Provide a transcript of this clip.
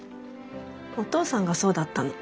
お父さんがそうだったの。